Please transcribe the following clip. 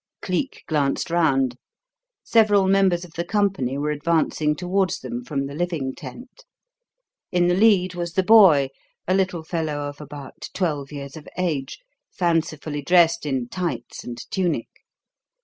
Cleek glanced round. Several members of the company were advancing towards them from the "living tent." In the lead was the boy, a little fellow of about twelve years of age, fancifully dressed in tights and tunic.